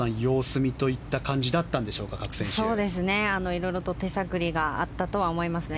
いろいろと手探りがあったとは思いますね。